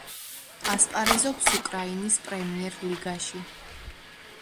ასპარეზობს უკრაინის პრემიერ-ლიგაში.